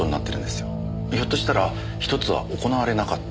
ひょっとしたらひとつは行われなかった。